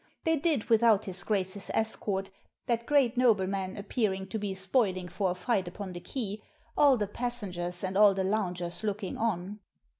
They did without his Grace's escort, that great nobleman appearing to be " spoiling " for a fight upon the quay, all the passengers and all the loungers looking on.